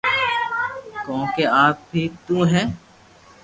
ڪونڪھ آپ ھي تو ھي